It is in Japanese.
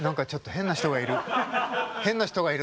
変な人がいるな。